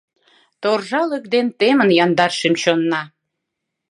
Торжалык ден темын яндар шӱм-чонна.